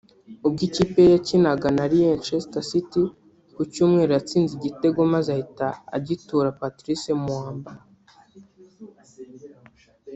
ubwo ikipe ye yakinaga na Leicester City ku cyumweru yatsinze igitego maze ahita agitura Patrice Muamba